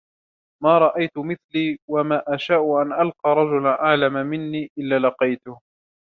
مَا رَأَيْت مِثْلِي وَمَا أَشَاءُ أَنْ أَلْقَى رَجُلًا أَعْلَمَ مِنِّي إلَّا لَقِيتُهُ